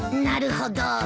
なるほど。